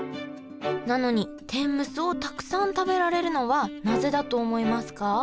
なのに天むすをたくさん食べられるのはなぜだと思いますか？